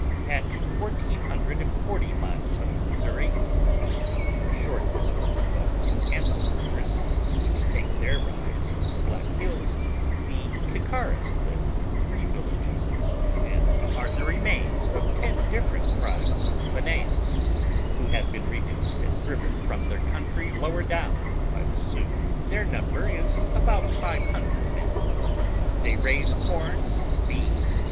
At fourteen hundred and forty miles up the Missouri, (and a short distance'above two handsome rivers, which take their rise in the Black Hills) the Kicaras live in three villages, and are the remains of ten different tribes of Paneas, who have been reduced and driven from their country lower down by the Sioux; their number is about five hundred men; they raise corn, beans, &c.